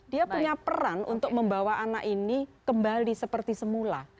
dia punya peran untuk membawa anak ini kembali seperti semula